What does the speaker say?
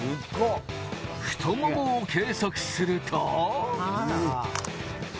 太ももを計測すると。